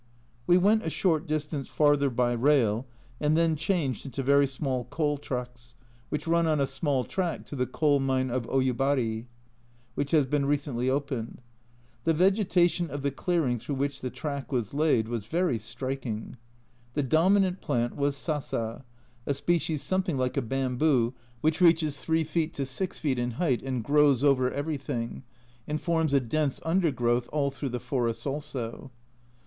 We went a short distance farther by rail and then changed into very small coal trucks, which run on a A Journal from Japan 15 small track to the coal mine of Oyubari, which has been recently opened. The vegetation of the clearing through which the track was laid was very striking. The dominant plant was Sasa, a species something like a bamboo, which reaches 3 feet to 6 feet in height, and grows over everything, and forms a dense undergrowth all through the forests also.